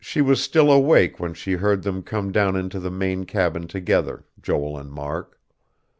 She was still awake when she heard them come down into the main cabin together, Joel and Mark.